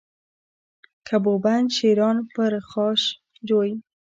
که بودند شیران پرخاشجوی